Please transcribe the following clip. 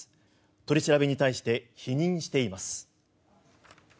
取り調べに対して否認しています。